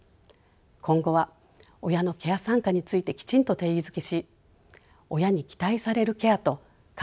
今後は親のケア参加についてきちんと定義づけし親に期待されるケアと看護要員がやるべきケア